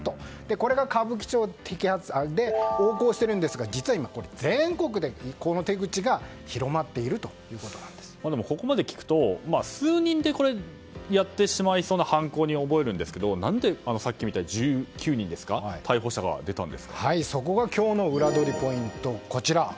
これが歌舞伎町で横行しているんですが実は今、全国でこの手口がここまで聞くと数人でやってしまいそうな犯行に思えるんですけど何で、さっきみたいに１９人ですかそこが今日のウラどりポイント。